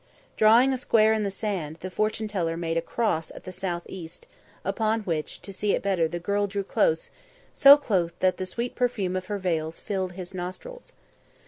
Drawing a square in the sand, the fortune teller made a cross at the south east, upon which, to see it better, the girl drew close so close that the sweet perfume of her veils filled his nostrils.